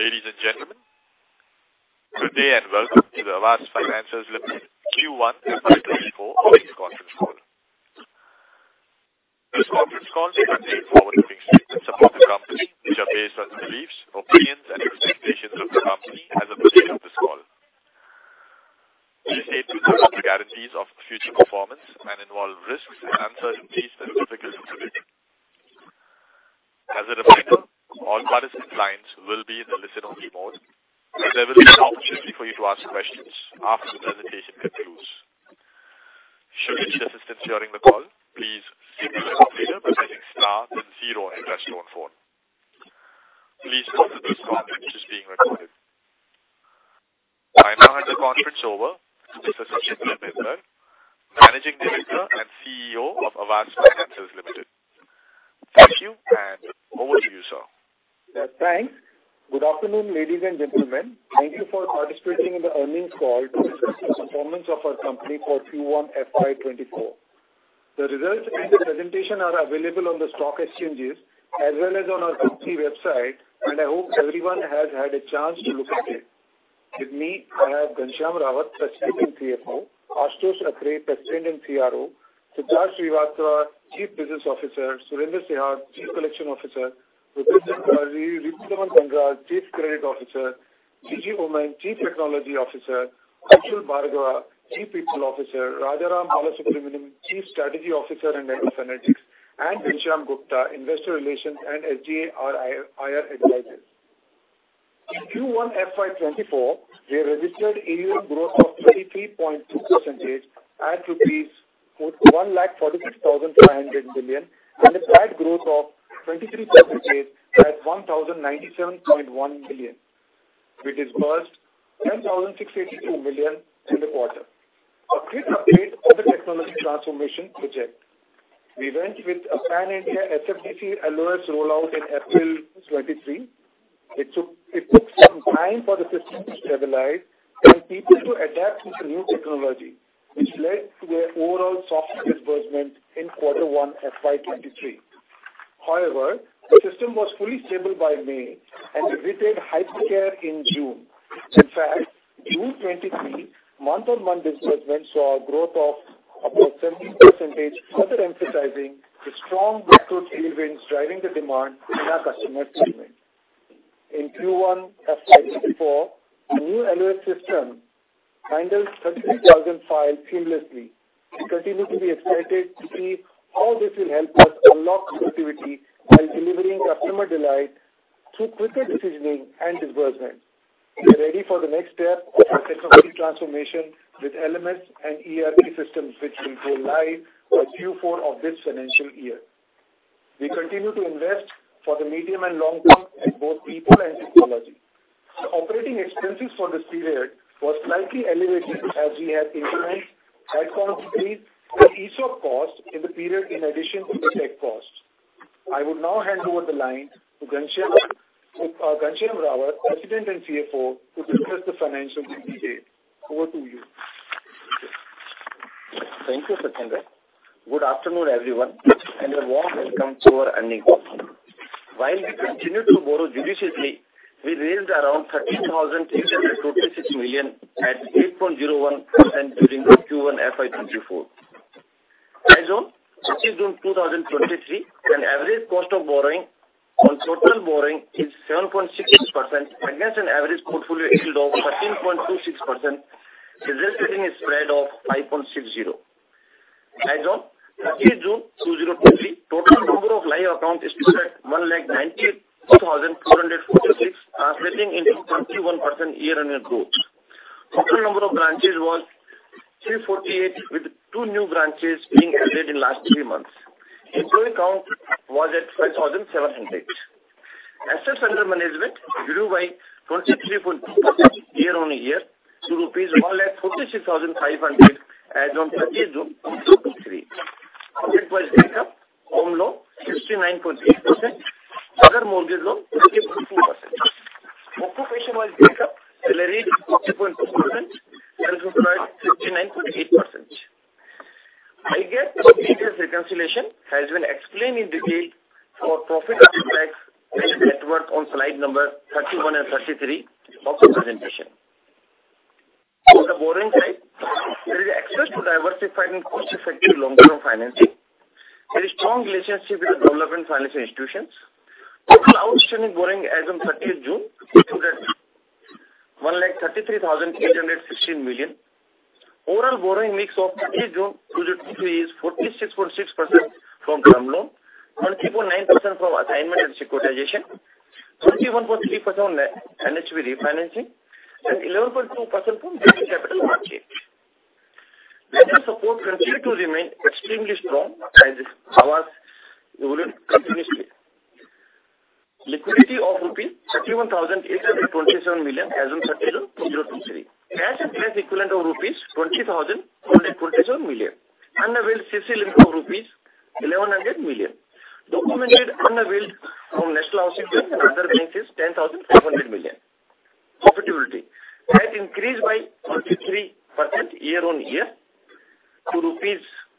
Ladies and gentlemen, good day, and welcome to the Aavas Financiers Limited Q1 FY 2024 earnings conference call. This conference call contains forward-looking statements about the company, which are based on the beliefs, opinions, and representations of the company as of the date of this call. These statements are not guarantees of future performance and involve risks, uncertainties, and difficulties intrinsic. As a reminder, all participant lines will be in the listen-only mode, so there will be an opportunity for you to ask questions after the presentation concludes. Should you need assistance during the call, please signal our operator by pressing star then zero on your touchtone phone. Please note that this call is being recorded. I now hand the conference over to Sachinder Bhinder, Managing Director and CEO of Aavas Financiers Limited. Thank you, and over to you, sir. Yes, thanks. Good afternoon, ladies and gentlemen. Thank you for participating in the earnings call to discuss the performance of our company for Q1 FY 2024. The results and the presentation are available on the stock exchanges as well as on our company website, and I hope everyone has had a chance to look at it. With me, I have Ghanshyam Rawat, President and CFO; Ashutosh Atre, President and CRO; Siddharth Srivastava, Chief Business Officer; Surendra Sihag, Chief Collection Officer; Vipin Sangari, Ripudaman Bandral, Chief Credit Officer; Jijy Oommen, Chief Technology Officer; Anshul Bhargava, Chief People Officer; Rajaram Balasubramaniam, Chief Strategy Officer and Head of Analytics; and Ghanshyam Gupta, Investor Relations and SGA, our IR Advisors. In Q1 FY2024, we registered AUM growth of 23.2% at rupees 146,500 million and a PAT growth of 23% at 1,097.1 million, which dispersed 10,682 million in the quarter. A quick update on the technology transformation project. We went with a pan-India SFDC LOS rollout in April 2023. It took, it took some time for the system to stabilize and people to adapt to the new technology, which led to an overall soft disbursement in Q1 FY2023. However, the system was fully stable by May and we did hypercare in June. In fact, June 2023, month-on-month disbursements saw a growth of about 17%, further emphasizing the strong good tailwinds driving the demand in our customer segment. In Q1 FY2024, the new LOS system handles 33,000 files seamlessly. We continue to be excited to see how this will help us unlock productivity and delivering customer delight through quicker decisioning and disbursement. We're ready for the next step of our technology transformation with elements and ERP systems, which will go live by Q4 of this financial year. We continue to invest for the medium and long term in both people and technology. The operating expenses for this period was slightly elevated as we had increment headcount increase and ESOP costs in the period in addition to the tech costs. I would now hand over the line to Ghanshyam Rawat, President and CFO, to discuss the financial in detail. Over to you. Thank you, Sachinder. Good afternoon, everyone, and a warm welcome to our earnings call. While we continue to borrow judiciously, we raised around 13,826 million at 8.01% during the Q1 FY 2024. As on June 30, 2023, an average cost of borrowing on total borrowing is 7.6% against an average portfolio yield of 13.26%, resulting in a spread of 5.60. As on June 30, 2023, total number of live accounts is at 192,446, translating into 31% year-on-year growth. Total number of branches was 348, with two new branches being added in last three months. Employee count was at 5,700. Assets under management grew by 23.2% year-over-year to rupees 146,500 as on June 30, 2023. Product-wise breakup, home loan, 69.8%; other mortgage loan, 30.2%. Occupation-wise break up, salaried, 40.2%; self-employed, 59.8%. IGAAP to Ind-AS reconciliation has been explained in detail for profit after tax and network on slide number 31 and 33 of the presentation. On the borrowing side, there is access to diversified and cost-effective longer-term financing. There is strong relationship with the relevant financial institutions. Total outstanding borrowing as on June 30 is at INR 133,816 million. Overall borrowing mix of June 30, 2023, is 46.6% from term loan, 13.9% from assignment and securitization, 21.3% on NHB refinancing, and 11.2% from working capital margin. Support continued to remain extremely strong as Aavas would continuously. Liquidity of rupees 31,827 million as on June 30, 2023. Cash and cash equivalent of rupees 20,147 million. Unavailed CC limit of rupees 1,100 million. Documented unavailed from National Housing Bank other banks is 10,500 million increased by 33% year-on-year to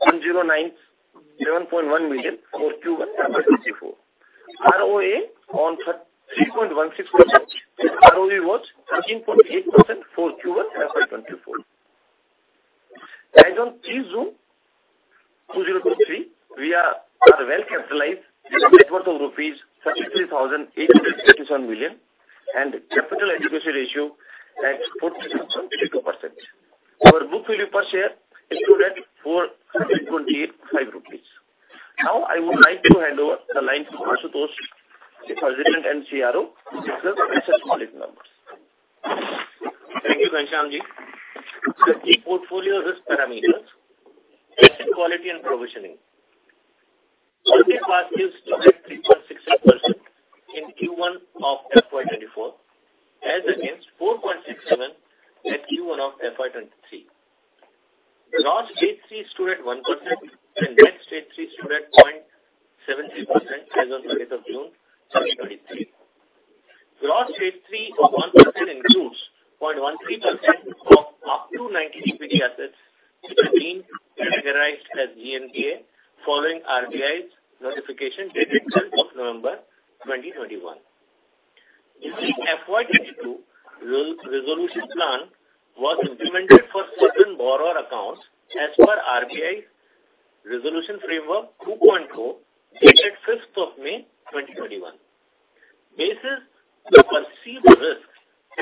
1,097.1 million rupees for Q1 FY24. ROA on 3.16%. ROE was 13.8% for Q1 FY24. As on three June 2023, we are well capitalized with net worth of rupees 33,887 million, and capital adequacy ratio at 47%. Our book value per share improved at 428.5 rupees. Now, I would like to hand over the line to Ashutosh, the President and CRO, to discuss recent calling numbers. Thank you, Ghanshyam. The portfolio risk parameters, asset quality and provisioning. Non-performing Assets stood at 3.68% in Q1 of FY 2024, as against 4.67% at Q1 of FY 2023. Gross Stage 3 stood at 1%, and Net Stage 3 stood at 0.73% as on 30th of June, 2023. Gross Stage 3 of 1% includes 0.13% of up to 90 DPD assets, which have been categorized as GNPA, following RBI's notification dated 12th of November, 2021. The FY 2022 re- resolution plan was implemented for certain borrower accounts as per RBI Resolution Framework 2.0, dated 5th of May, 2021. Basis to perceive the risks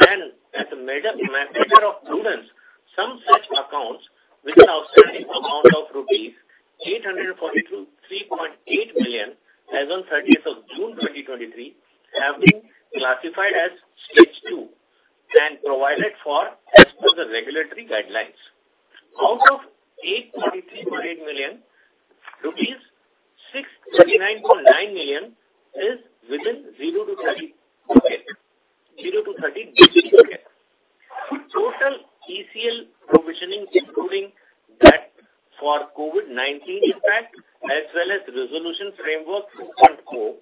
and as a matter, matter of prudence, some such accounts with an outstanding amount of rupees 843.8 million as on 30th of June, 2023, have been classified as Stage 2 and provided for as per the regulatory guidelines. Out of 843. million, 639.9 million is within 0-30 bucket, 0-30 DPD bucket. Total ECL provisioning, including that for COVID-19 impact, as well as Resolution Framework 2.0,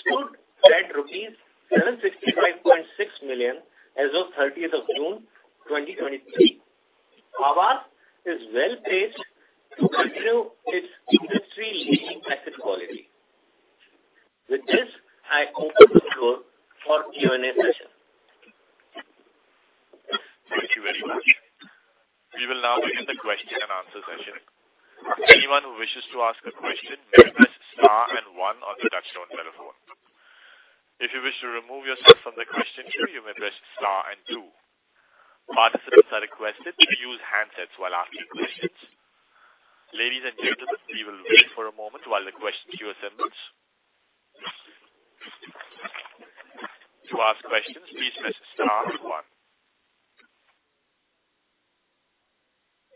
stood at INR 765.6 million as of 30th of June, 2023. Aavas is well-placed to continue its industry-leading asset quality. With this, I open the floor for Q&A session. Thank you very much. We will now begin the question and answer session. Anyone who wishes to ask a question, may press Star and One on the touchtone telephone. If you wish to remove yourself from the question queue, you may press Star and Two. Participants are requested to use handsets while asking questions. Ladies and gentlemen, we will wait for a moment while the question queue assembles. To ask questions, please press Star and One.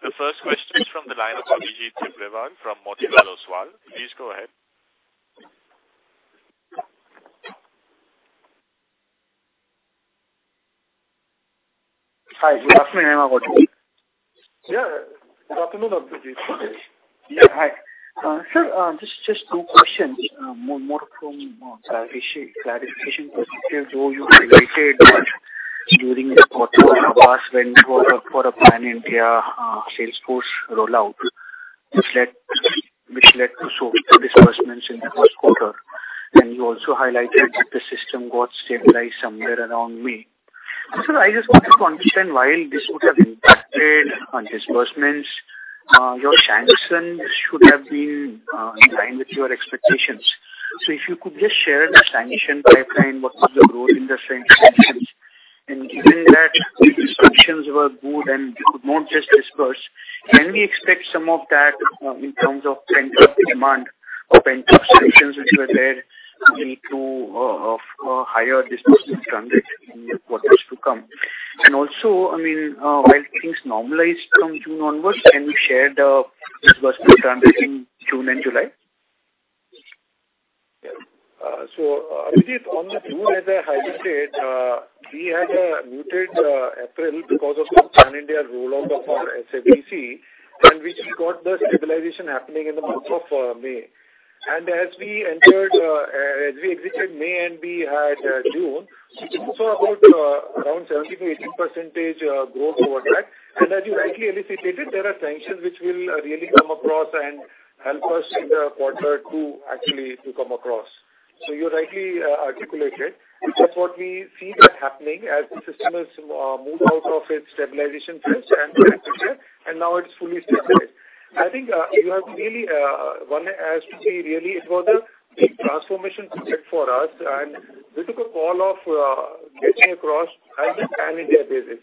The first question is from the line of Abhijit Tibrewal from Motilal Oswal. Please go ahead. Hi, Abhijit on the line. Yeah. Good afternoon, Abhijit. Yeah, hi. sir, just two questions, more from clarification perspective, though you highlighted that during the quarter, Aavas went for a pan-India Salesforce rollout, which led to slow disbursements in the first quarter. You also highlighted that the system got stabilized somewhere around May. I just want to understand, while this would have impacted on disbursements, your sanction should have been in line with your expectations. If you could just share the sanction pipeline, what was the growth in the sanctions? Given that the disbursements were good and more just disbursed, can we expect some of that in terms of pent-up demand or pent-up sanctions, which were there to of higher disbursement trend in quarters to come? Also, I mean, while things normalized from June onwards, can you share the disbursement runrate in June and July? So, Abhijit, on the June, as I highlighted, we had a muted April because of the pan-India rollout of our SFDC, which we got the stabilization happening in the month of May. As we entered, as we exited May and we had June, so about around 17%-18% growth over that. As you rightly elucidated, there are sanctions which will really come across and help us in the quarter two, actually, to come across. You rightly articulated. That's what we see that happening as the system has moved out of its stabilization phase and now it's fully stable. I think, you have really, one, as to say, really, it was a big transformation project for us, and we took a call of, getting across on a pan-India basis,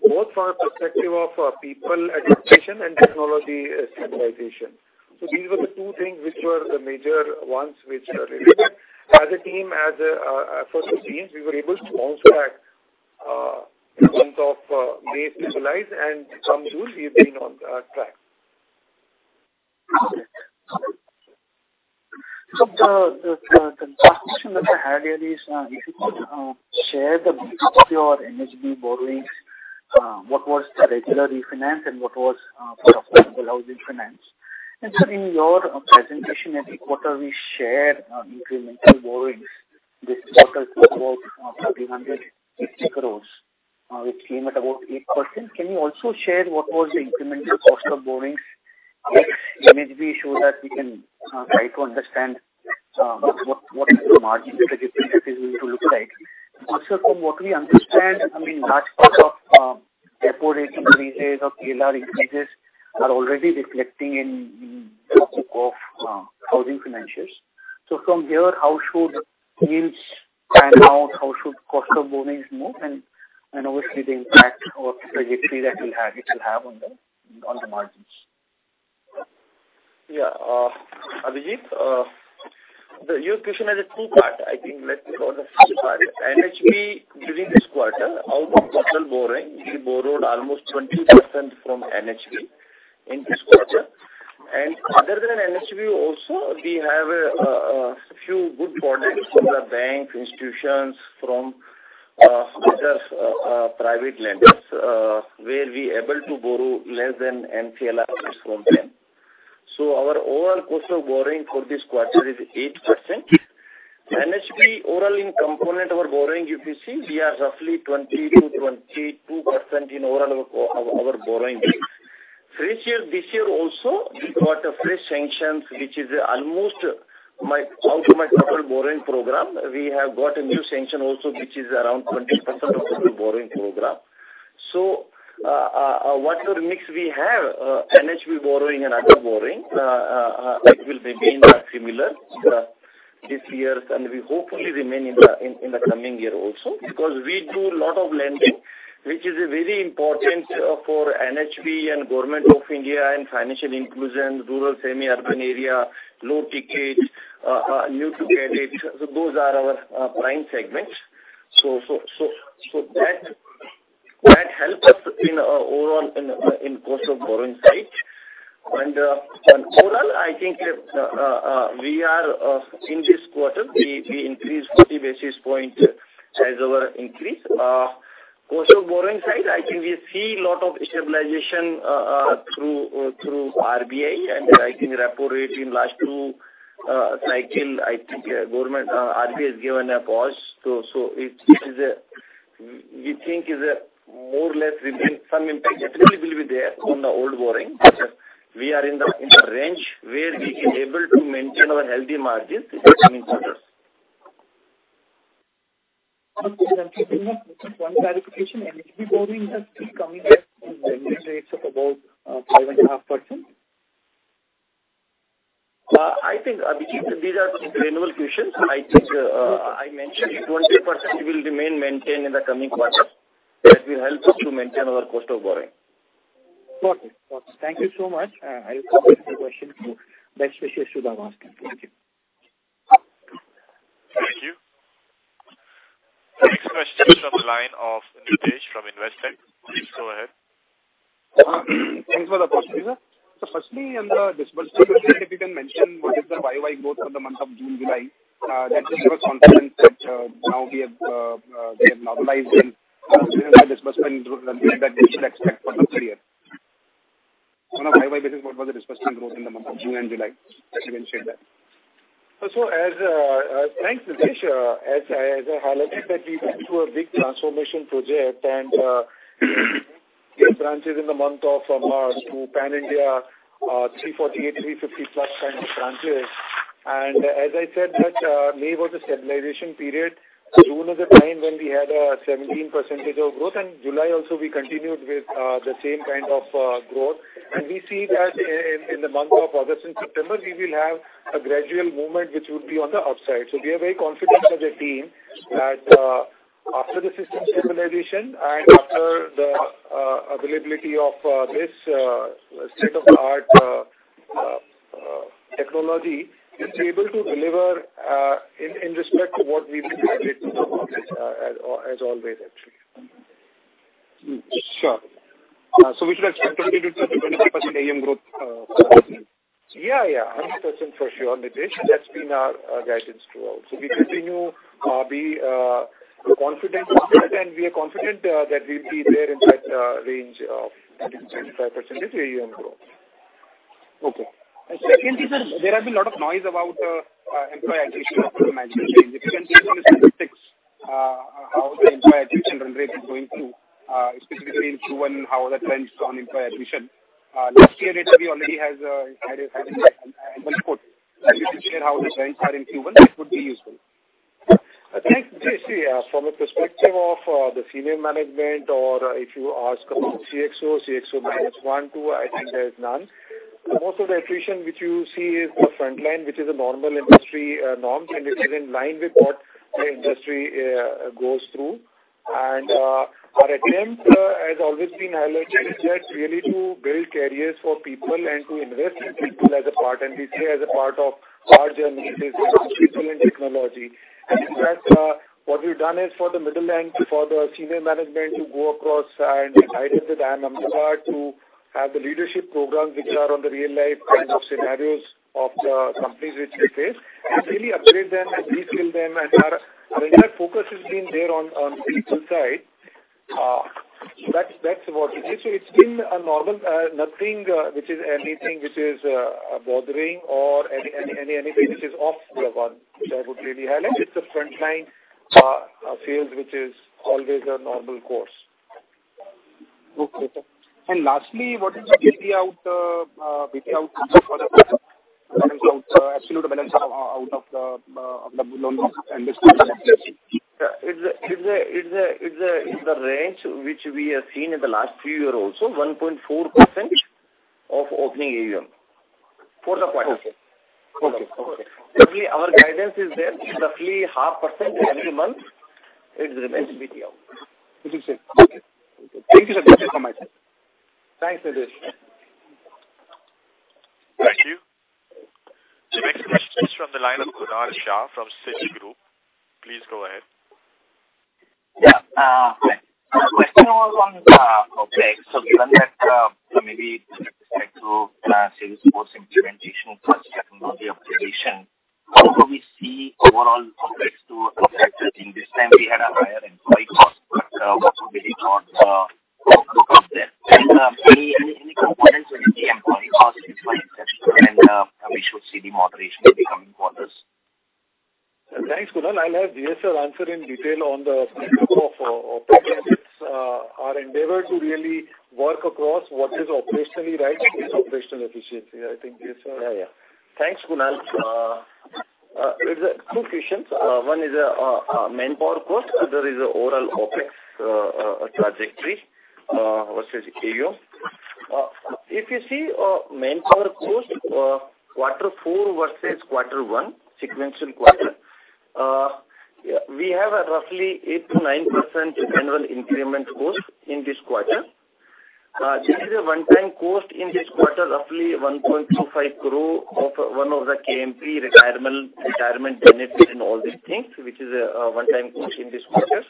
both for our perspective of, people adaptation and technology, standardization. These were the two things which were the major ones which are related. As a team, as a, first teams, we were able to bounce back, in the month of, May, stabilize and come June, we've been on, track. The last question that I had really is, if you could share the breakup of your NHB borrowings, what was the regular refinance and what was for the house refinance? In your presentation at quarter, we share incremental borrowings. This quarter is about 1,350 crore. It came at about 8%. Can you also share what was the incremental cost of borrowings? If, NHB show that we can try to understand what, what is the margin trajectory that is going to look like. Also, from what we understand, I mean, large part of repo rate increases or PLR increases are already reflecting in, in book of housing financials. from here, how should yields and how should cost of borrowings move and obviously the impact or trajectory that will have, it will have on the, on the margins? Yeah. Abhijit, the your question has a 2 part. I think let me go the first part. NHB during this quarter, out of total borrowing, we borrowed almost 20% from NHB in this quarter. Other than NHB also, we have a few good products from the bank institutions, from other private lenders, where we able to borrow less than MCLRs from them. Our overall cost of borrowing for this quarter is 8%. NHB overall in component of our borrowing, if you see, we are roughly 20%-22% in overall our borrowing base. Fresh year, this year also, we got a fresh sanctions, which is almost out of my total borrowing program. We have got a new sanction also, which is around 20% of the borrowing program. What your mix we have, NHB borrowing and other borrowing, it will remain similar this years, and we hopefully remain in the coming year also. Because we do a lot of lending, which is a very important for NHB and Government of India and financial inclusion, rural, semi-urban area, low ticket, new to credit. Those are our prime segments. That, that helps us in overall in in cost of borrowing side. On overall, I think, we are in this quarter, we, we increased 40 basis point as our increase. Cost of borrowing side, I think we see a lot of stabilization through through RBI, and I think repo rate in last two cycle, I think government RBI has given a pause. We think is a more or less remain some impact, it really will be there on the old borrowing, but we are in the, in the range where we are able to maintain our healthy margins in the coming quarters. Okay, thank you. One clarification, NHB borrowing has still coming at lending rates of about 5.5%? I think, Abhijit, these are renewable questions. I think, I mentioned 20% will remain maintained in the coming quarters. That will help us to maintain our cost of borrowing. Got it. Got it. Thank you so much. I will come with the question to next question Shweta asking. Thank you. Thank you. The next question is from the line of Nidhesh from Investec. Please go ahead. Thanks for the opportunity, sir. Firstly, on the disbursement, if you can mention what is the YoY growth for the month of June, July, that gives us confidence that now we have, we have normalized in disbursement that we should expect for the next year. On a YoY basis, what was the disbursement growth in the month of June and July? If you can share that. As, thanks, Nidhesh. As I, as I highlighted that we went through a big transformation project and these branches in the month of March to pan-India, 348, 350+ kind of branches. As I said, that May was a stabilization period. June was a time when we had 17% of growth, and July also, we continued with the same kind of growth. We see that in the month of August and September, we will have a gradual movement, which would be on the upside. We are very confident as a team that, after the system stabilization and after the availability of this state-of-the-art technology, it's able to deliver in, in respect to what we've been able to do as al- as always, actually. Sure. We should expect 20%-25% AUM growth for this year? Yeah, yeah. 100% for sure, Nidhesh. That's been our guidance throughout. We continue be confident on it, and we are confident that we'll be there in that range of 20-25% AUM growth. Okay. Secondly, sir, there has been a lot of noise about employee attrition of the management. If you can based on the statistics, how the employee attrition rate is going through, specifically in Q1, how are the trends on employee attrition? Last year, data, we already had an input. If you could share how the trends are in Q1, that would be useful. Thanks, Nidhesh. From a perspective of the senior management, or if you ask about CXO, CXO minus one, two, I think there is none. Most of the attrition which you see is the front line, which is a normal industry norm, and it is in line with what the industry goes through. Our attempt has always been highlighted, is just really to build careers for people and to invest in people as a part. We say as a part of our journey, it is people and technology. In that, what we've done is for the middle and for the senior management to go across and identify the damn number, to have the leadership programs which are on the real life kind of scenarios of the companies which we face, and really upgrade them and reskill them. Our, our entire focus has been there on, on people side. That's, that's what it is. It's been a normal, nothing, which is anything which is bothering or any, any, any, anything which is off the one, which I would really highlight. It's a frontline, field, which is always a normal course. Okay. Lastly, what is the BT out absolute balance out of the loan book and distribution? Yeah, it's the range which we have seen in the last few years also, 1.4% of opening AUM for the quarter. Okay. Roughly, our guidance is there, roughly 0.5% every month, it remains BT. Okay. Thank you, sir. Thank you so much. Thanks, Nidhesh. Thank you. Next question is from the line of Kunal Shah from Citigroup. Please go ahead. Hi. Question was on OpEx, given that, maybe with respect to the Salesforce implementation plus technology observation, how do we see overall OpEx to assets at this time, we had a higher employee cost, but what there? Any, any, any components in the employee cost which might and, we should see the moderation in the coming quarters. Thanks, Kunal. I'll have GSR answer in detail on the breakup of OpEx. It's our endeavor to really work across what is operationally right is operational efficiency. I think, GSR? Yeah, yeah. Thanks, Kunal. It's two questions. One is manpower cost. There is a overall OpEx trajectory versus AUM. If you see manpower cost, quarter 4 versus quarter 1, sequential quarter, yeah, we have a roughly 8%-9% annual increment cost in this quarter. This is a one-time cost in this quarter, roughly 1.25 crore of one of the KMP retirement, retirement benefits and all these things, which is a one-time cost in this quarter.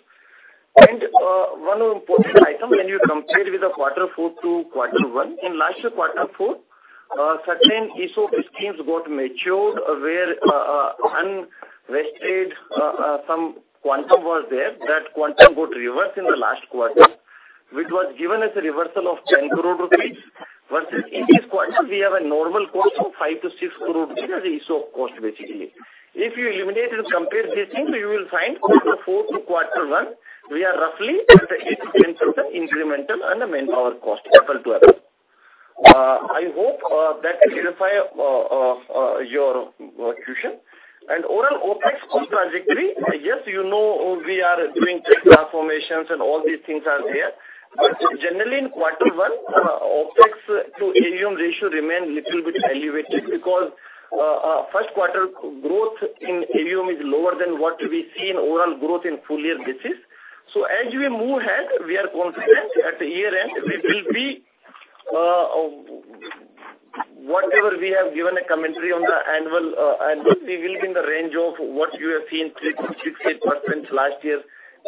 One important item, when you compare with the quarter 4 to quarter 1, in last year, quarter 4, certain ESOP schemes got matured where unvested some quantum was there. That quantum got reversed in the last quarter, which was given as a reversal of 10 crore rupees. Versus in this quarter, we have a normal cost of 5 crore-6 crore rupees as ESOP cost, basically. If you eliminate and compare these things, you will find quarter four to quarter one, we are roughly at the 8%-10% incremental and the manpower cost equal to that. I hope that clarify your question. Overall OpEx cost trajectory, yes, you know, we are doing transformations and all these things are there. Generally, in quarter one, OpEx-to-AUM ratio remain little bit elevated because first quarter growth in AUM is lower than what we see in overall growth in full year basis. As we move ahead, we are confident at the year-end, we will be, whatever we have given a commentary on the annual, annual, we will be in the range of what you have seen, 3.68% last year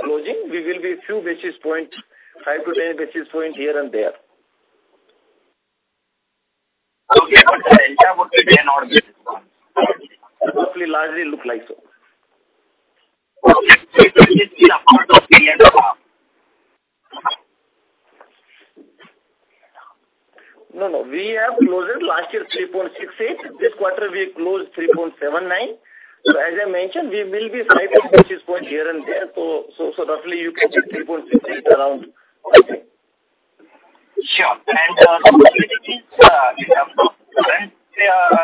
closing. We will be a few basis points, 5-10 basis points, here and there. Okay, the entire would be in order. Roughly, largely look like so. No, no. We have closed it last year, 3.68%. This quarter, we closed 3.79%. As I mentioned, we will be 5-6 basis point here and there. Roughly you can see 3.68% around. Sure. Quarter employee cost, only INR 1.25 crore related to retirement benefits. Yeah, normally super cost. Also, if, if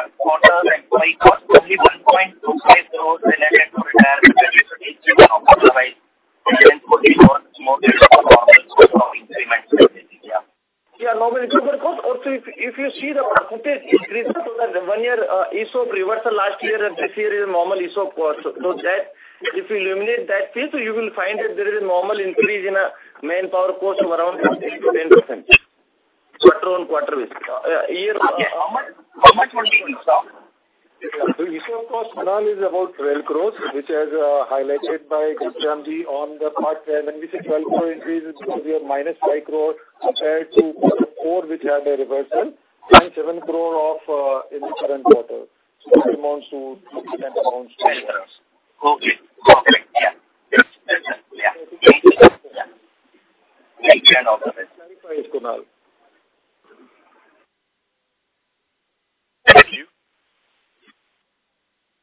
you see the percentage increase, so that 1 year, ESOP reversal last year, and this year is a normal ESOP cost. That if you eliminate that thing, so you will find that there is a normal increase in a manpower cost of around 8%-10%. Quarter-on-quarter with, year. How much, how much for the ESOP? The ESOP cost, Kunal, is about 12 crore, which as highlighted by Krishna ji on the part where when we say 12 crore increase, it's because we have -5 crore compared to quarter four, which had a reversal, and 7 crore of in the current quarter. This amounts to 10 crore. Okay. Correct. Yeah. Thank you. Thanks, Kunal. Thank you.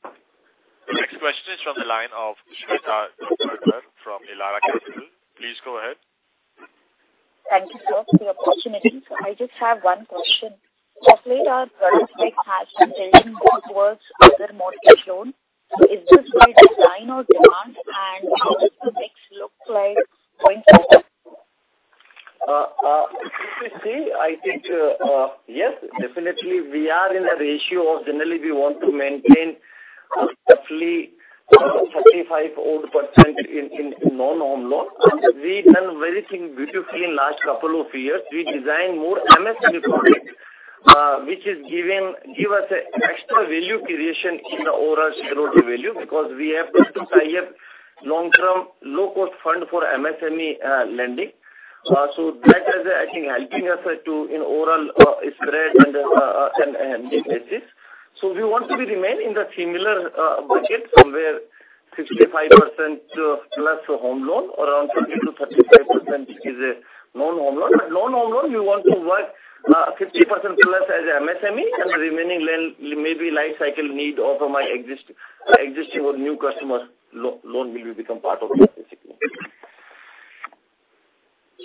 The next question is from the line of Shweta Daptardar from Elara Capital. Please go ahead. Thank you, sir, for the opportunity. I just have one question. Lastly, our product mix has some telling towards other mortgage loans. Is this by design or chance, and how does the mix look like going forward? If you see, I think, yes, definitely we are in a ratio of generally we want to maintain roughly 35% odd in non-home loans. We've done very thing beautifully in last couple of years. We designed more MSME products, which is giving, give us an extra value creation in the overall zero value, because we have to tie up long-term, low-cost fund for MSME lending. So that is, I think, helping us to in overall spread and NIM basis. So we want to be remain in the similar bucket, somewhere 65%+ home loan, around 30%-35% is a non-home loan. Non-home loan, you want to work, 50%+ as MSME, and the remaining lend maybe life cycle need or for my existing or new customer loan will become part of that basically.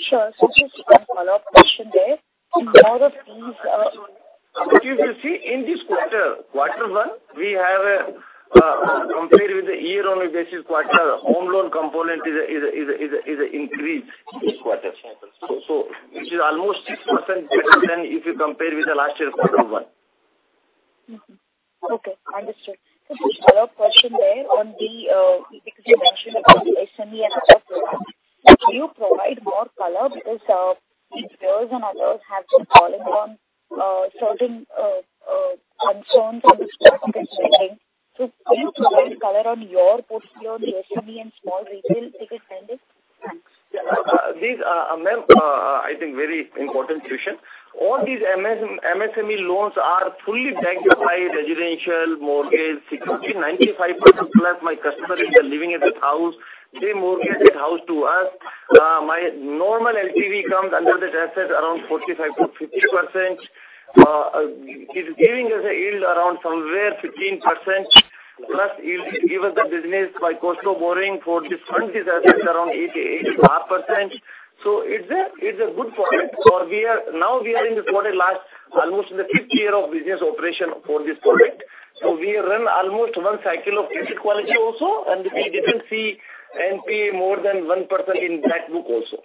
Sure. Just a follow-up question there. More of these. If you see in this quarter, quarter one, we have, compared with the year-on-year basis quarter, home loan component is a, is a, is a, is a increase this quarter. So it is almost 6% better than if you compare with the last year, quarter one. Mm-hmm. Okay, understood. Just a follow-up question there on the because you mentioned about MSME and other products. Can you provide more color? Because retailers and others have been calling on certain concerns on this. Can you provide color on your portfolio, the MSME and small retail ticket lenders? Thanks. These are, ma'am, I think very important question. All these MSME loans are fully backed by residential mortgage security. 95%+ my customer is living in that house. They mortgage that house to us. My normal LTV comes under that asset, around 45%-50%. It is giving us a yield around somewhere 15%+ yields, given the business by cost of borrowing for this fund is around 8.5%. It's a, it's a good product. We are, now we are in the quarter last, almost in the fifth year of business operation for this product. We run almost one cycle of credit quality also, and we didn't see NPA more than 1% in black book also.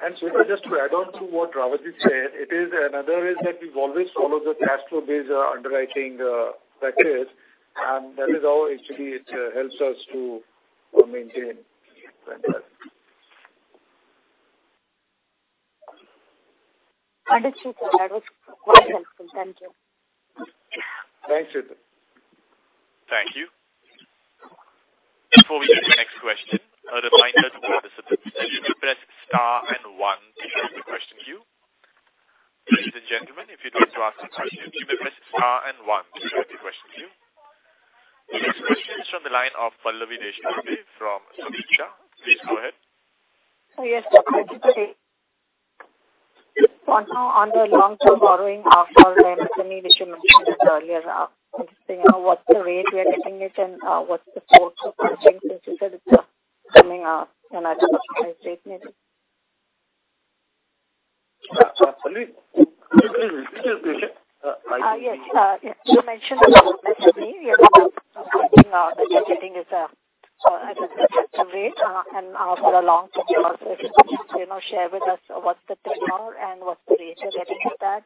And Shweta, just to add on to what Rawat said, it is another is that we've always followed the cash flow based underwriting practice, and that is our USP. It helps us to maintain that. Understood, sir. That was very helpful. Thank you. Thanks, Shweta. Thank you. Before we go to the next question, a reminder to all the participants, you may press star and 1 to join the question queue. Ladies and gentlemen, if you'd like to ask a question, you may press star and 1 to join the question queue. The next question is from the line of Pallavi Deshpande from Sameeksha. Please go ahead. Yes, thank you. On, on the long-term borrowing of our MSME, which you mentioned earlier, just, you know, what's the rate we are getting it and what's the source of funding, since you said it's coming up and I didn't quite state it? Pallavi, could you please repeat your question? Yes. Yes. You mentioned about MSME, you know, that you're getting is at an attractive rate and for the long term also. If you could, you know, share with us what's the tenure and what's the rate you're getting at that.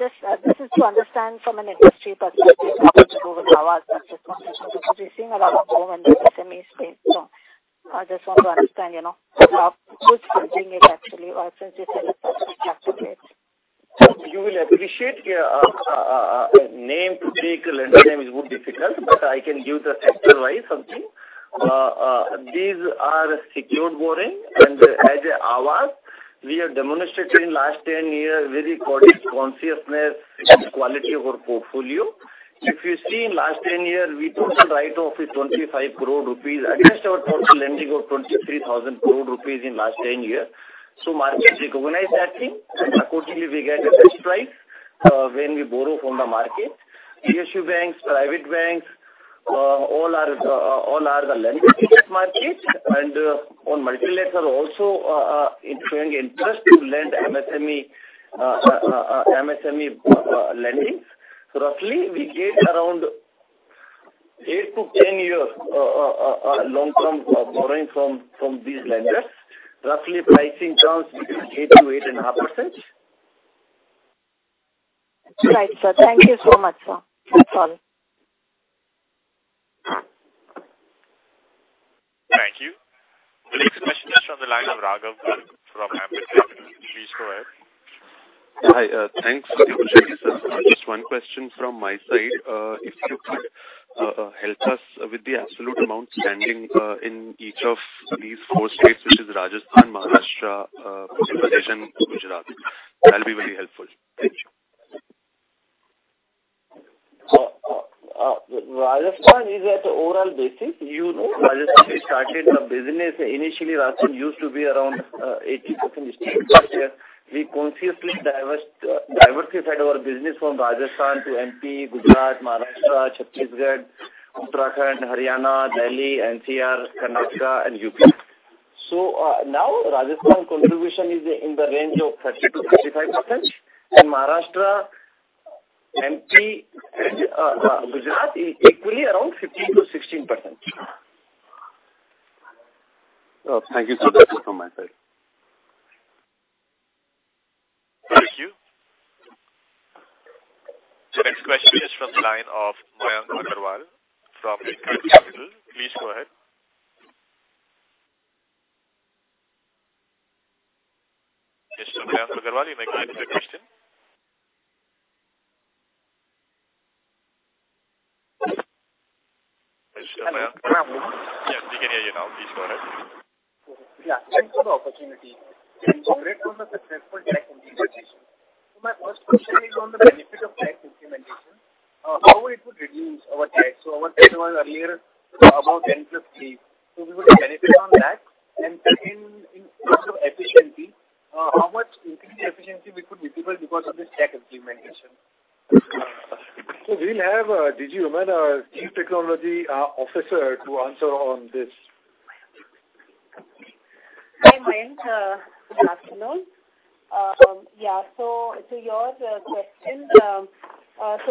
Just, this is to understand from an industry perspective, nothing to do with Aavas, but just wanted to, because we're seeing a lot of boom in the MSME space. I just want to understand, you know, how good bridging is actually, or since you said it's attractive rate. You will appreciate, name to take a lender name is more difficult, but I can give the sector-wide something. These are secured borrowing, and as Aavas, we have demonstrated in last 10 years very quality, consciousness, and quality of our portfolio. If you see in last 10 years, we total write off is 25 crore rupees, against our total lending of 23,000 crore rupees in last 10 years. Market recognize that thing. Accordingly, we get a best price, when we borrow from the market. PSU banks, private banks, all are the, all are the lenders in this market, and on multi-lender also, it's showing interest to lend MSME, MSME, lendings. Roughly, we get around 8-10 years, long-term, borrowing from, from these lenders. Roughly, pricing terms is 8%-8.5%. Right, sir. Thank you so much, sir. That's all. Thank you. The next question is from the line of Raghav Garg from Ambit Capital. Please go ahead. Hi, thanks. Just one question from my side. If you could help us with the absolute amount standing in each of these four states, which is Rajasthan, Maharashtra, Madhya Pradesh, and Gujarat. That'll be very helpful. Thank you. Rajasthan is at the overall basis. You know, Rajasthan, we started our business. Initially, Rajasthan used to be around 80% district. We consciously diversified our business from Rajasthan to MP, Gujarat, Maharashtra, Chhattisgarh, Uttrakhand, Haryana, Delhi, NCR, Karnataka and U.P. Now Rajasthan contribution is in the range of 30%-35%, and Maharashtra, MP, Gujarat is equally around 15%-16%. Oh, thank you so much from my side. Thank you. The next question is from the line of Mayank Agarwal from InCred Capital. Please go ahead. Yes, Mayank Agarwal, you may go ahead with your question. Yes, we can hear you now. Please go ahead. Yeah, thanks for the opportunity. Great one successful tech implementation. My first question is on the benefit of tech implementation. How it would reduce our TAT? Our tax was earlier about 10 + 8. We would benefit on that. Second, in terms of efficiency, how much increased efficiency we could visible because of this tech implementation? We have Jijy Oommen, our Chief Technology Officer to answer on this. Hi, Mayank, good afternoon. Yeah, so, to your question.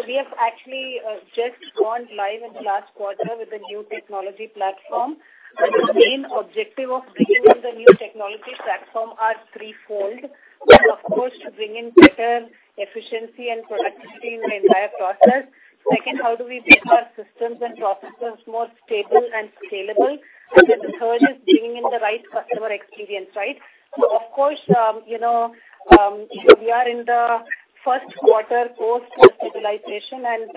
We have actually just gone live in the last quarter with the new technology platform. The main objective of bringing on the new technology platform are threefold. Of course, to bring in better efficiency and productivity in the entire process. Second, how do we make our systems and processes more stable and scalable? Then the third is bringing in the right customer experience, right? Of course, you know, we are in the first quarter post stabilization, and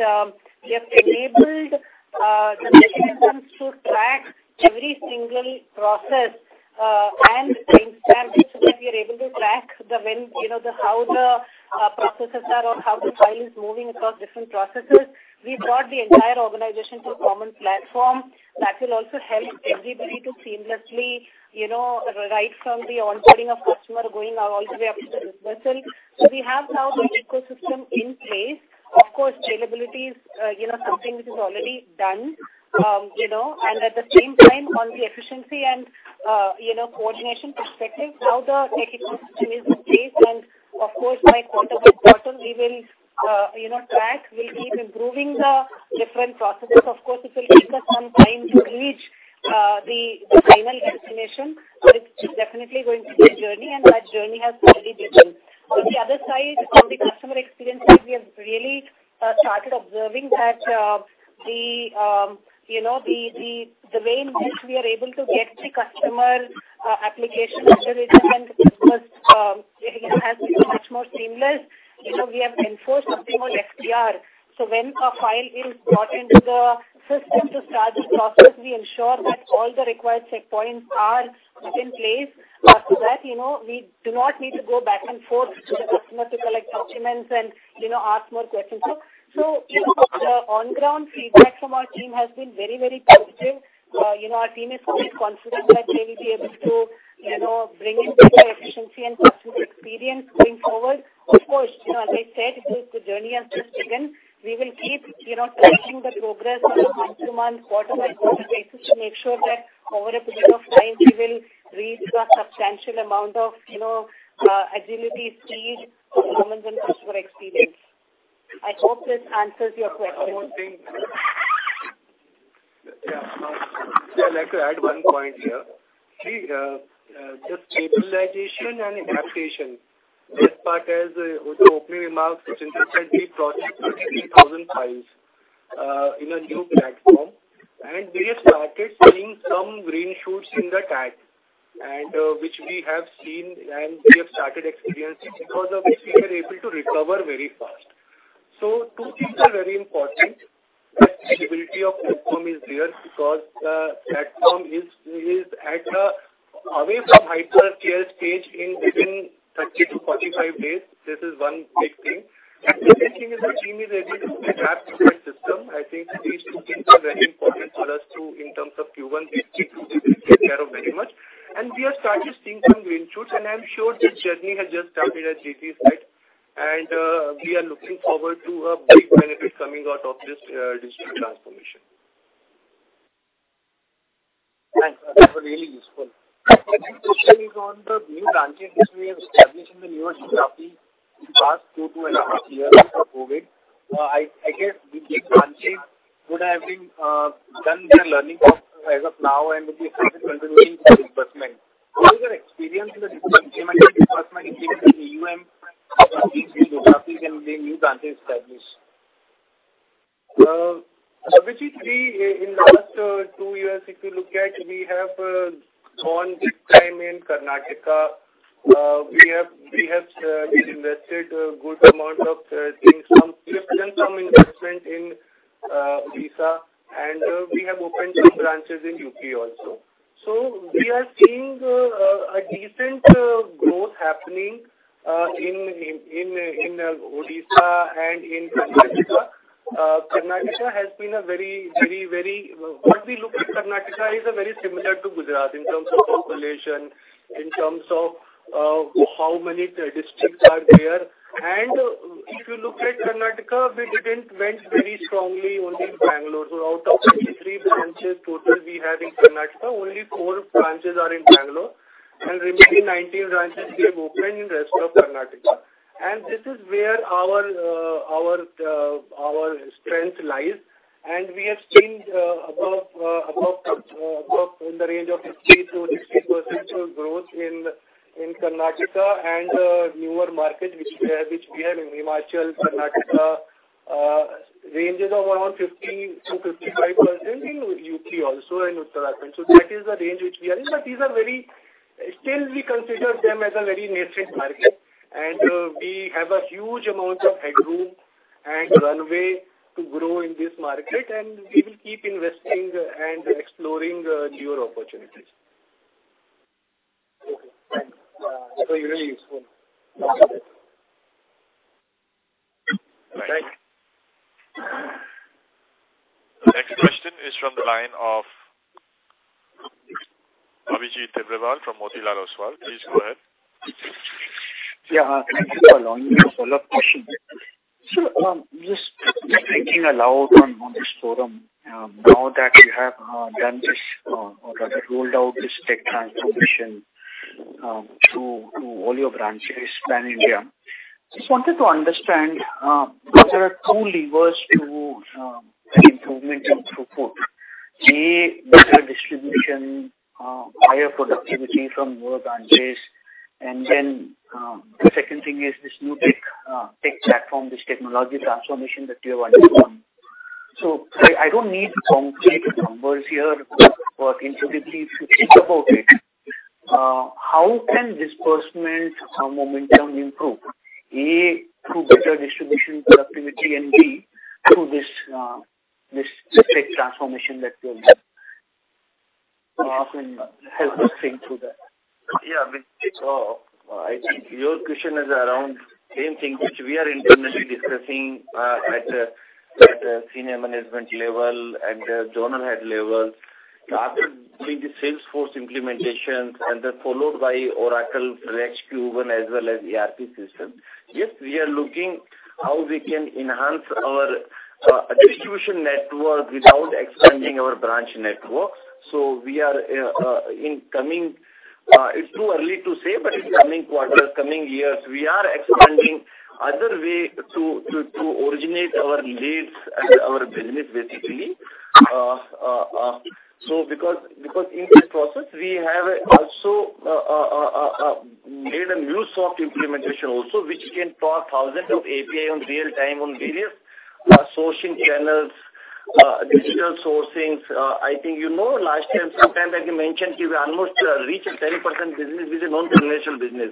we have enabled the mechanisms to track every single process and timestamp, so that we are able to track the when, you know, the how the processes are or how the file is moving across different processes. We've brought the entire organization to a common platform that will also help everybody to seamlessly, you know, right from the onboarding of customer going all the way up to the dispersal. We have now the ecosystem in place. Of course, scalability is, you know, something which is already done. At the same time, on the efficiency and, you know, coordination perspective, how the technology is in place, and of course, by quarter by quarter, we will, you know, track. We'll keep improving the different processes. Of course, it will take us some time to reach the final destination, but it's definitely going to be a journey, and that journey has already begun. On the other side, from the customer experience, we have really started observing that the, you know, the, the, the way in which we are able to get the customer application and, you know, has been much more seamless. You know, we have enforced something called FTR. When a file is brought into the system to start the process, we ensure that all the required checkpoints are set in place. After that, you know, we do not need to go back and forth to the customer to collect documents and, you know, ask more questions. The on-ground feedback from our team has been very, very positive. You know, our team is quite confident that they will be able to, you know, bring in better efficiency and customer experience going forward. Of course, you know, as I said, the journey has just begun. We will keep, you know, tracking the progress on a month-to-month, quarter-by-quarter basis to make sure that over a period of time, we will reach a substantial amount of, you know, agility, speed, performance and customer experience. I hope this answers your question. One more thing. Yeah. I'd like to add one point here. See, the stabilization and adaptation. This part is with the opening remarks, Sachinder said we process 33,000 files in a new platform, and we have started seeing some green shoots in the pipe, and which we have seen and we have started experiencing because of which we were able to recover very fast. Two things are very important. That stability of platform is there because the platform is, is at a away from hyper scale stage in between 30 and 45 days. This is 1 big thing. The second thing is the team is able to adapt to the system. I think these 2 things are very important for us to, in terms of Q1, we take care of very much. We have started seeing some green shoots, and I'm sure this journey has just started as Jijy said. We are looking forward to a big benefit coming out of this digital transformation. Thanks. That was really useful. My second question is on the new branches which we have established in the new geography in the past 2 to almost years of COVID-19. I, I guess, with the branches, would have been done their learning off as of now and will be expected to continue in disbursement. What is your experience in the disbursement in the new geographies and the new branches established? In the last two years, if you look at, we have grown big time in Karnataka. We have, we have invested a good amount of things from... significant some investment in Orissa, and we have opened some branches in U.P. also. We are seeing a decent growth happening in, in, in Orissa and in Karnataka. Karnataka has been a very, very, very... If we look at Karnataka is very similar to Gujarat in terms of population, in terms of how many districts are there. If you look at Karnataka, we didn't went very strongly only in Bangalore. Out of 23 branches total we have in Karnataka, only 4 branches are in Bangalore, and remaining 19 branches we have opened in rest of Karnataka. This is where our, our, our strength lies. We have seen, above in the range of 50%-60% of growth in Karnataka and newer markets, which we have in Himachal, Karnataka, ranges of around 50%-55% in U.P. also and Uttrakhand. That is the range which we are in, but these are very. Still, we consider them as a very nascent market, and we have a huge amount of headroom. and runway to grow in this market, and we will keep investing and exploring newer opportunities. Okay, thanks. Really useful. Thanks. Next question is from the line of Abhijit Tibrewal from Motilal Oswal. Please go ahead. Yeah, thank you for allowing me. Follow-up question. Just thinking aloud on, on this forum, now that you have done this, or rather rolled out this tech transformation, to, to all your branches pan-India. Just wanted to understand, what are two levers to an improvement in throughput? A, better distribution, higher productivity from your branches. The second thing is this new tech, tech platform, this technology transformation that you have undertaken. I, I don't need complete numbers here, but intuitively, if you think about it, how can disbursement momentum improve? A, through better distribution, productivity, and B, through this, this tech transformation that you have done. Can you help us think through that? Yeah. I think your question is around same thing, which we are internally discussing, at the senior management level, at the zonal head level. After doing the Salesforce implementation and then followed by Oracle FLEXCUBE as well as ERP system. Yes, we are looking how we can enhance our distribution network without expanding our branch network. We are in coming. It's too early to say, but in coming quarters, coming years, we are expanding other way to originate our leads and our business, basically. Because in this process, we have also made a new soft implementation also, which can power thousands of API on real time on various sourcing channels, digital sourcings. I think you know, last time, sometime that you mentioned, you were almost reaching 10% business with the non-traditional business.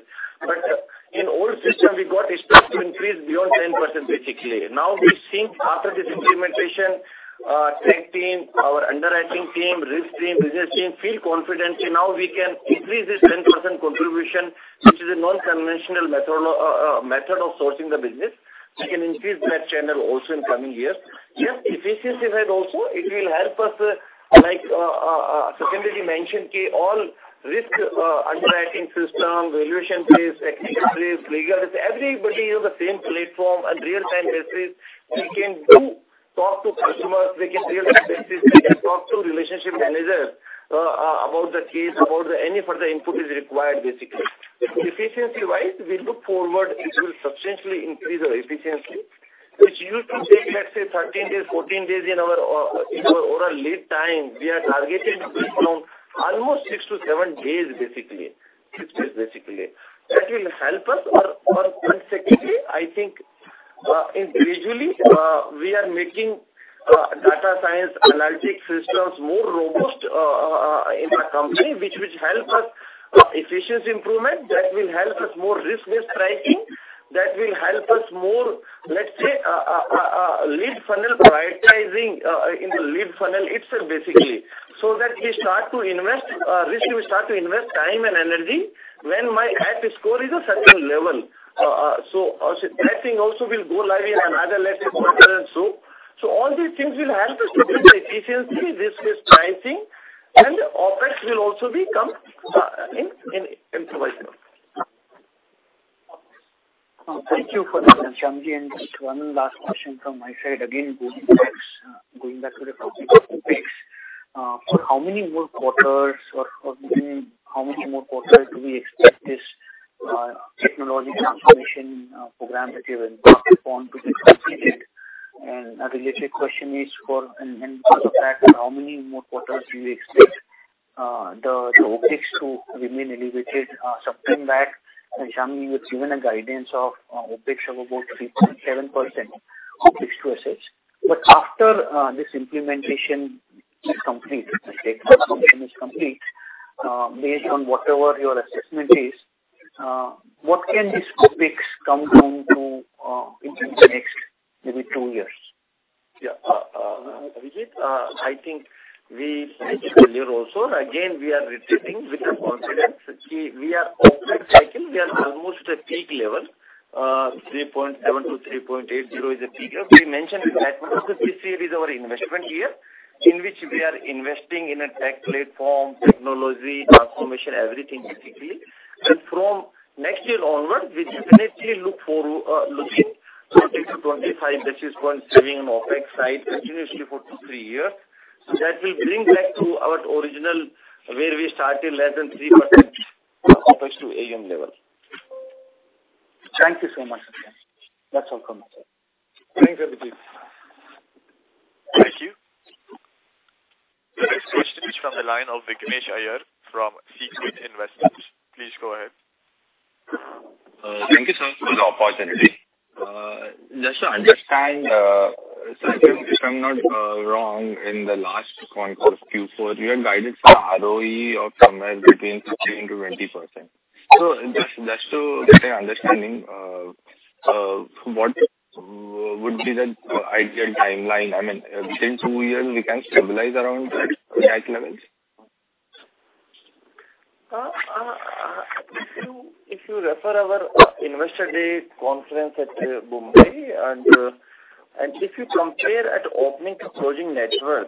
In old system, we got exposed to increase beyond 10%, basically. Now, we've seen after this implementation, tech team, our underwriting team, risk team, business team, feel confident. Now we can increase this 10% contribution, which is a non-conventional method, method of sourcing the business. We can increase that channel also in coming years. Yes, efficiency side also, it will help us, like, secondly, mention K, all risk, underwriting system, valuation risk, technical risk, legal risk, everybody is on the same platform on real-time basis. They can do talk to customers, they can real-time basis, they can talk to relationship manager, about the case, about any further input is required, basically. Efficiency-wise, we look forward, it will substantially increase our efficiency, which used to take, let's say, 13 days, 14 days in our lead time. We are targeting to bring down almost 6-7 days, basically. 6 days, basically. That will help us. Secondly, I think, individually, we are making data science analytics systems more robust in our company, which help us efficiency improvement. That will help us more risk-based pricing. That will help us more, let's say, lead funnel prioritizing in the lead funnel itself, basically. So that we start to invest risk, we start to invest time and energy when my at score is a certain level. So that thing also will go live in another, let's say, quarter or so. All these things will help us to build the efficiency, risk pricing, and OpEx will also be come in, in improvised. Thank you for that, Ghanshyamji. Just one last question from my side. Again, going back, going back to the topic of OpEx. For how many more quarters or how many more quarters do we expect this technology transformation program that you have embarked upon to be completed? A related question is for, and because of that, how many more quarters do you expect the OpEx to remain elevated? Something back, Ghanshyam, you had given a guidance of OpEx of about 3.7% OpEx to assets. After this implementation is complete, the tech transformation is complete, based on whatever your assessment is, what can this OpEx come down to, in the next maybe two years? Yeah. Abhijit, I think we said it earlier also. Again, we are repeating with the confidence that we are almost cycling, we are almost at peak level. 3.7-3.80 is a peak level. We mentioned that because this year is our investment year, in which we are investing in a tech platform, technology, transformation, everything, basically. From next year onwards, we definitely look forward, looking 20-25 basis point saving on OpEx side continuously for 2-3 years. That will bring back to our original, where we started less than 3% OpEx to AUM level. Thank you so much, Ghanshyam. That's all from my side. Thanks, Abhijit. Thank you. The next question is from the line of Vignesh Iyer from Sequent Investments. Please go ahead. Thank you, sir, for the opportunity. Just to understand. If I'm not wrong, in the last quarter, Q4, you had guided for ROE of somewhere between 15%-20%. Just, just to get an understanding, what would be the ideal timeline? I mean, within 2 years, we can stabilize around that levels? If you, if you refer our Investor Day conference at Mumbai, and if you compare at opening to closing net worth,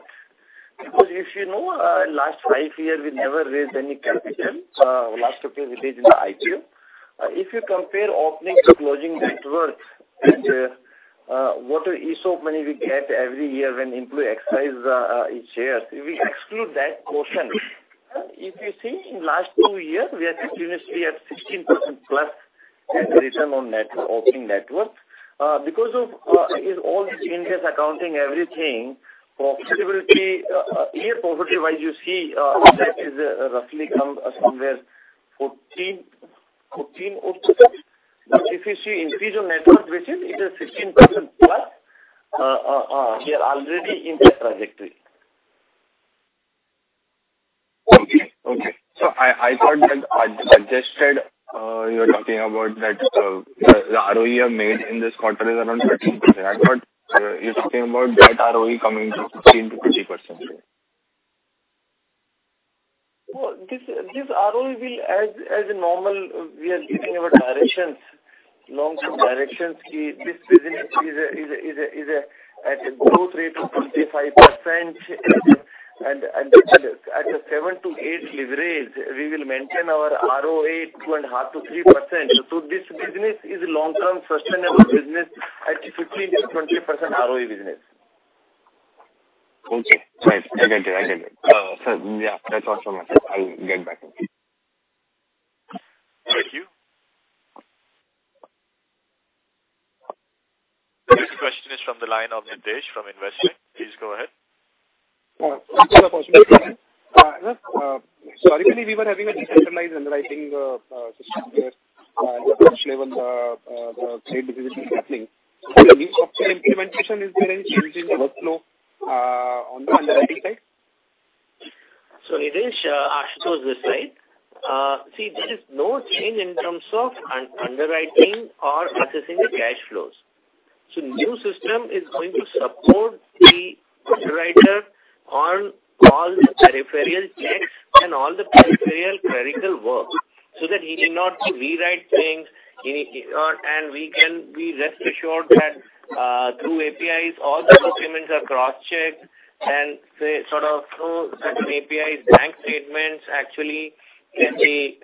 because if you know, last 5 years, we never raised any capital. Last 2 years, it is in the IPO. If you compare opening to closing net worth and what are ESOP money we get every year when employee exercises, his shares, we exclude that portion. If you see in last 2 years, we are continuously at 16%+ and return on net- opening net worth. Because of, in all this Ind-AS accounting, everything, profitability, year profitability-wise, you see, that is roughly come somewhere 14-odd percent. If you see increase on net worth, which is it is 16%+, we are already in that trajectory. Okay. Okay. I, I thought that I suggested, you were talking about that, the ROE you have made in this quarter is around 13%. I thought you're talking about that ROE coming to 15%-20%? Well, this, this ROE will as, as a normal, we are giving our directions, long-term directions, is this business is a, is a, is a, is a, at a growth rate of 25% and, and at a 7-8 leverage, we will maintain our ROE 2.5%-3%. This business is long-term sustainable business at 15%-20% ROE business. Okay. Right. I get it. I get it. Yeah, that's all from us. I'll get back. Thank you. The next question is from the line of Nidhesh from Investec. Please go ahead. Originally we were having a decentralized underwriting system where the branch level the trade decision was happening. The new software implementation, is there any change in workflow on the underwriting side? Nidhesh, Ashu is this side. See, there is no change in terms of underwriting or assessing the cash flows. New system is going to support the underwriter on all peripheral checks and all the peripheral clerical work, so that he need not to rewrite things. We can be rest assured that through APIs, all the documents are cross-checked and say, sort of, through certain APIs, bank statements actually can be,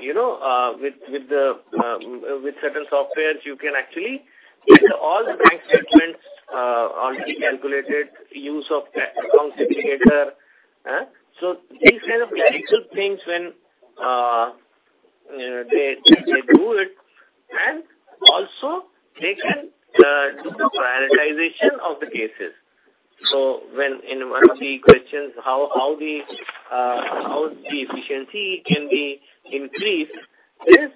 you know, with certain softwares, you can actually get all the bank statements already calculated, use of account simulator. These kind of clerical things when they do it, and also they can do the prioritization of the cases. When in one of the questions, how, how the, how the efficiency can be increased, this,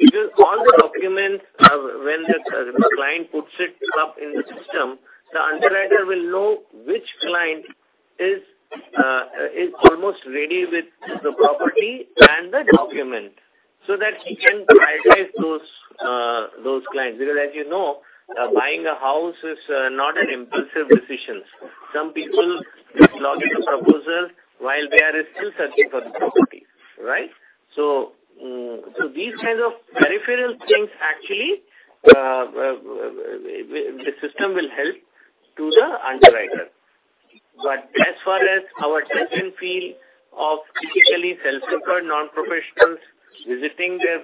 this all the documents, when the client puts it up in the system, the underwriter will know which client is, is almost ready with the property and the document so that he can prioritize those, those clients. Because as you know, buying a house is, not an impulsive decisions. Some people log in a proposal while they are still searching for the property, right? These kinds of peripheral things actually, the system will help to the underwriter. As far as our touch and feel of typically self-employed non-professionals visiting their,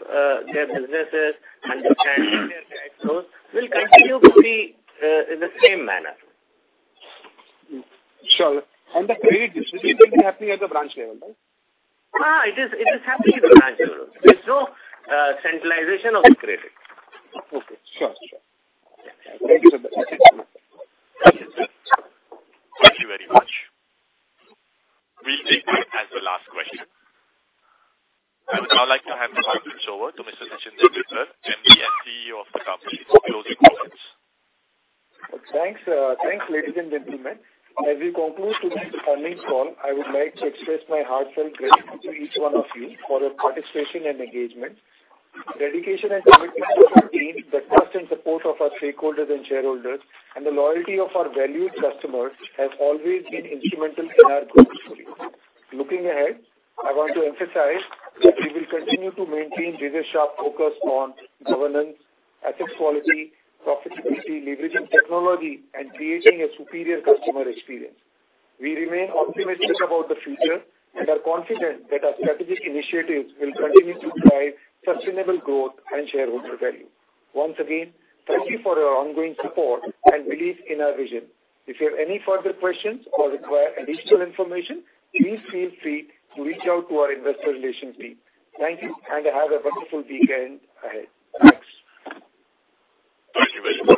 their businesses, understanding their cash flows, will continue to be, in the same manner. Sure. The credit decision will be happening at the branch level, right? it is, it is happening at the branch level. There's no centralization of the credit. Okay. Sure. Sure. Thank you so much. Thank you very much. We'll take that as the last question. I would now like to hand the conference over to Mr. Sachinder Bhinder, MD and CEO of the company, for closing comments. Thanks, thanks, ladies and gentlemen. As we conclude tonight's earnings call, I would like to express my heartfelt gratitude to each one of you for your participation and engagement. Dedication and commitment of our team, the trust and support of our stakeholders and shareholders, and the loyalty of our valued customers has always been instrumental in our growth. Looking ahead, I want to emphasize that we will continue to maintain laser-sharp focus on governance, asset quality, profitability, leveraging technology, and creating a superior customer experience. We remain optimistic about the future and are confident that our strategic initiatives will continue to drive sustainable growth and shareholder value. Once again, thank you for your ongoing support and belief in our vision. If you have any further questions or require additional information, please feel free to reach out to our Investor Relations team. Thank you, and have a wonderful weekend ahead. Thanks. Thank you very much.